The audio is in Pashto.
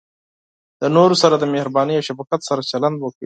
د نورو سره د مهربانۍ او شفقت سره چلند وکړئ.